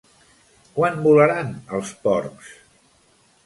Quan volaran els porcs?